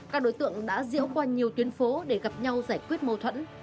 các đối tượng đã diễu qua nhiều tuyến phố để gặp nhau giải quyết mâu thuẫn